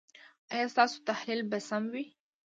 ایا ستاسو تحلیل به سم وي؟